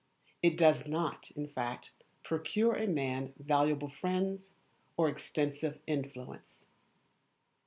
It does not, in fact, procure a man valuable friends, or extensive influence.